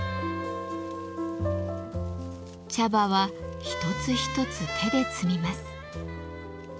茶葉は一つ一つ手で摘みます。